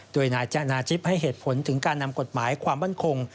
โดยนายจนาจิ๊บให้เหตุผลถึงการนำกฎหมายความมั่นคง